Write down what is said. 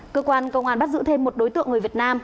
cơ quan công an bắt giữ thêm một đối tượng người việt nam